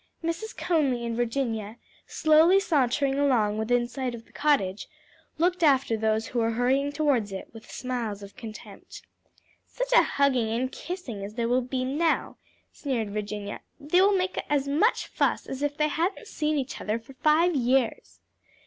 Mrs. Conly and Virginia, slowly sauntering along within sight of the cottage, looked after those who were hurrying towards it, with smiles of contempt. "Such a hugging and kissing as there will be now!" sneered Virginia; "they will make as much fuss as if they hadn't seen each other for five years."